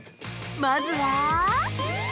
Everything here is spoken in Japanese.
まずは◆